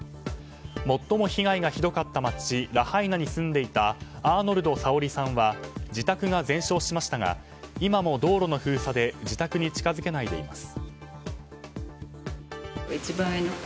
最も被害がひどかった街ラハイナに住んでいたアーノルドさおりさんは自宅が全焼しましたが今も道路の封鎖で自宅に近づけないでいます。